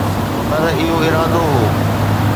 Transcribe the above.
پر اهو ارادو هو.